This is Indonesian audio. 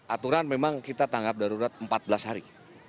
aturan memang kita tanggap darurat empat belas hari